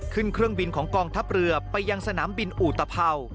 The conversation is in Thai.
เครื่องบินของกองทัพเรือไปยังสนามบินอุตภัว